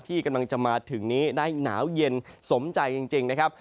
ที่กำลังจะมาถึงนี้ได้หนาวเย็นสมใจจริงนะครับ